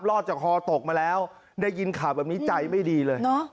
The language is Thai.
รอดจากฮอตกมาแล้วได้ยินข่าวแบบนี้ใจไม่ดีเลย